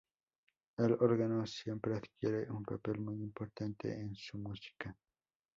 El órgano siempre adquiere un papel muy importante en su música.